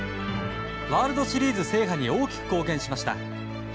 ワールドシリーズ制覇に大きく貢献しました。